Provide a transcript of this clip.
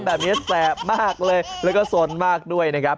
แบบนี้แสบมากเลยแล้วก็สนมากด้วยนะครับ